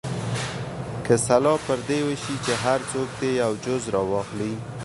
که سلا پر دې وشي چې هر څوک دې یو جز راواخلي.